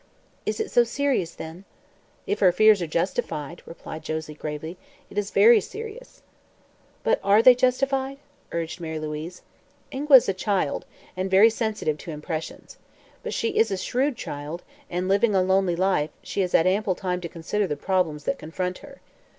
"Is it so serious, then?" "If her fears are justified," replied Josie gravely, "it is very serious." "But are they justified?" urged Mary Louise. "Ingua is a child, and very sensitive to impressions. But she is a shrewd child and, living a lonely life, has had ample time to consider the problems that confront her.